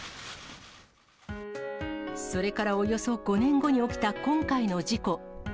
それからおよそ５年後に起きた今回の事故。